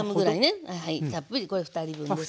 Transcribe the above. たっぷりこれ２人分ですけど。